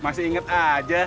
masih inget aja